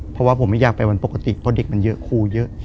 เพราะว่าผมไม่อยากไปวันปกติเพราะเด็กมันเยอะครูเยอะ